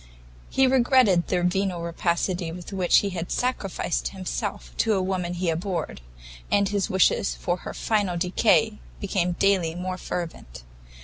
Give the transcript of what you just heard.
He regretted the venal rapacity with which he had sacrificed himself to a woman he abhorred, and his wishes for her final decay became daily more fervent.